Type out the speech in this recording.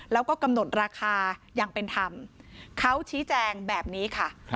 แล้วก็กำหนดราคาอย่างเป็นธรรมเขาชี้แจงแบบนี้ค่ะ